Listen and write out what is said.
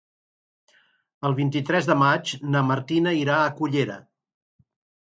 El vint-i-tres de maig na Martina irà a Cullera.